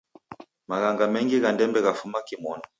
Maghanga mengi gha ndembe ghafuma kimonu.